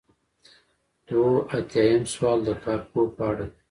دوه ایاتیام سوال د کارپوه په اړه دی.